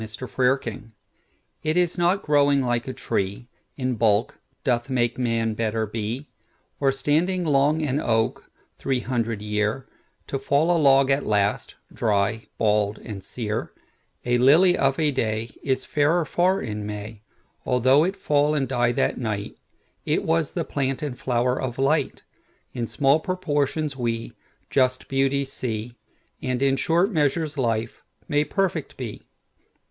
The Noble Nature IT is not growing like a treeIn bulk, doth make Man better be; Or standing long an oak, three hundred year, To fall a log at last, dry, bald, and sere:A lily of a dayIs fairer far in May, Although it fall and die that night—It was the plant and flower of Light.In small proportions we just beauties see; And in short measures life may perfect be.